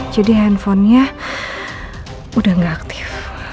jadi handphonenya udah gak aktif